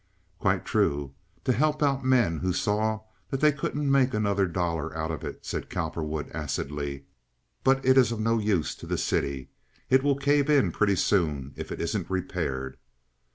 "Quite true—to help out men who saw that they couldn't make another dollar out of it," said Cowperwood, acidly. "But it's of no use to the city. It will cave in pretty soon if it isn't repaired.